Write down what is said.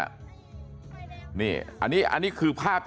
อันนี้คือภาพ